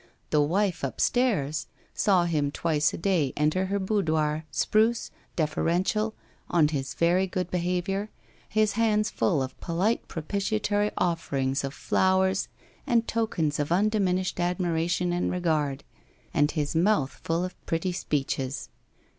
The wife, up stairs, saw him twice a day enter her boudoir, spruce, deferential, on his very good behaviour, his hands full of polite propitiatory offerings of flowers, and tokens of undiminished admiration and regard, and his mouth of pretty speeches.